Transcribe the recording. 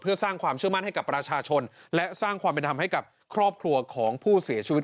เพื่อสร้างความเชื่อมั่นให้กับประชาชนและสร้างความเป็นธรรมให้กับครอบครัวของผู้เสียชีวิต